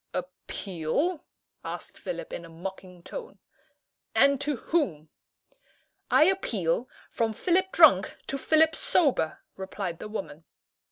"Appeal?" asked Philip, in a mocking tone, "and to whom?" "I appeal from Philip drunk to Philip sober!" replied the woman.